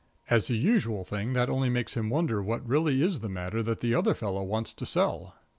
As a usual thing that only makes him wonder what really is the matter that the other fellow wants to sell.